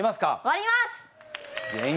はい。